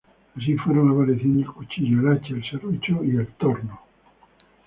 Así fueron apareciendo el cuchillo, el hacha, el serrucho y el torno.